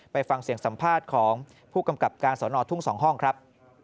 ไปฟังเสียงสัมภาษณ์ของผู้กำกับการสอนอทุ่ง๒ห้องครับ